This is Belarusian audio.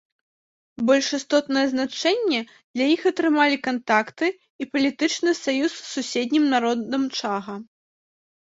Больш істотнае значэнне для іх атрымалі кантакты і палітычны саюз з суседнім народам чага.